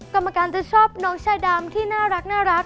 กรมการจะชอบน้องชาดำที่น่ารักน่ารัก